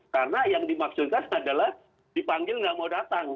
karena yang dimaksudkan adalah dipanggil nggak mau datang